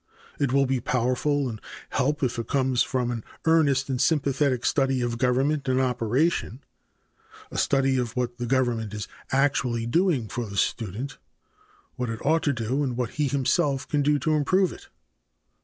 It will be powerful and helpful if it comes from an earnest and sympathetic study of government in operation, a study of what the government is actually doing for the student, what it ought to do and what he himself can do to improve it.